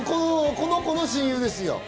この子の親友ですよ。